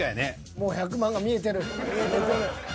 もう１００万が見えてる。